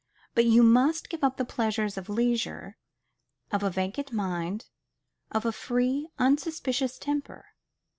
But you must give up the pleasures of leisure, of a vacant mind, of a free, unsuspicious temper.